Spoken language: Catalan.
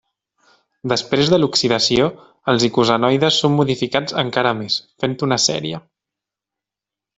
Després de l'oxidació, els icosanoides són modificats encara més, fent una sèrie.